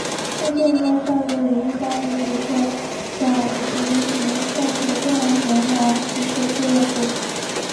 他现在效力于意大利足球甲级联赛球队罗马足球俱乐部。